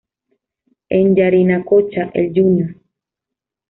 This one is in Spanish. En Yarinacocha el jr.